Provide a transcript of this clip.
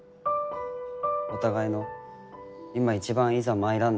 お互いの今一番「いざ参らん！」